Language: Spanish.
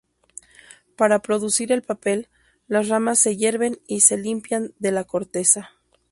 Para producir el papel, las ramas se hierven y se limpian de la corteza.